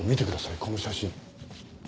この写真。